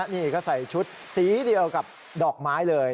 นี่ก็ใส่ชุดสีเดียวกับดอกไม้เลย